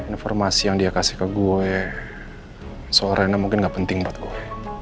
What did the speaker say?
informasi yang dia kasih ke gue soal rena mungkin gak penting buat gue